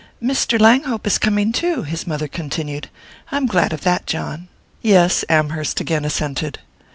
"Mr. Langhope is coming too," his mother continued. "I'm glad of that, John." "Yes," Amherst again assented.